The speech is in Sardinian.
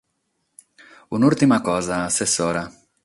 Un’ùrtima cosa, Assessora.